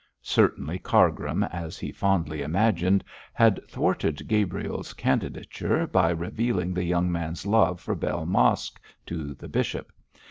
Certainly Cargrim, as he fondly imagined, had thwarted Gabriel's candidature by revealing the young man's love for Bell Mosk to the bishop.